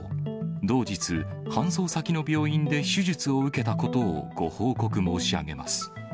同日、搬送先の病院で手術を受けたことをご報告申し上げます。